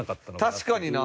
確かにな。